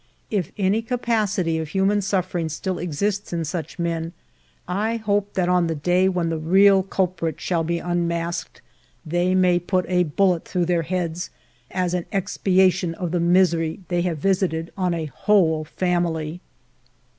If any capacity of human suffering still exists in such men, 1 hope that on the day when the real culprit shall be unmasked, they may put a bullet through their heads as an expiation of the misery they have visited on a whole family.